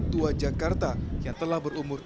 tua jakarta yang telah berumur